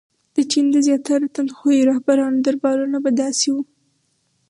• د چین د زیاتره تندخویو رهبرانو دربارونه به داسې وو.